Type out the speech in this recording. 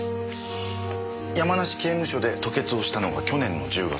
山梨刑務所で吐血をしたのが去年の１０月。